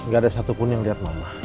gak ada satupun yang lihat mama